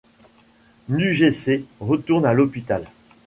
Nungesser retourne à l'hôpital.